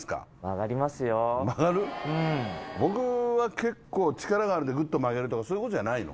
僕は結構力があるんでグッと曲げるとかそういう事じゃないの？